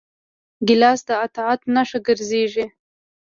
ګیلاس د اطاعت نښه ګرځېږي.